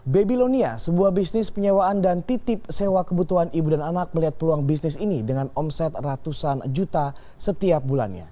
babylonia sebuah bisnis penyewaan dan titip sewa kebutuhan ibu dan anak melihat peluang bisnis ini dengan omset ratusan juta setiap bulannya